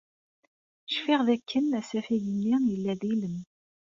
Cfiɣ dakken asafag-nni yella d ilem.